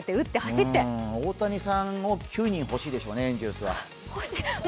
大谷さんを９人欲しいでしょうね、エンゼルスは。